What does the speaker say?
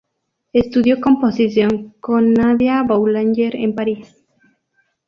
Estudió composición con Nadia Boulanger en París.